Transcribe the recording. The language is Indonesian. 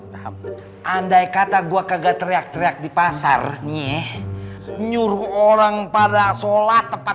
paham andai kata gua kagak teriak teriak di pasarnya nyuruh orang pada sholat tepat